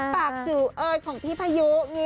ปากจู่เอิ้นของพี่พายุ